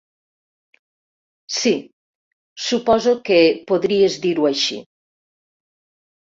Sí, suposo que podries dir-ho així.